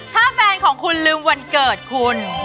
ถ้าแฟนของคุณลืมวันเกิดคุณ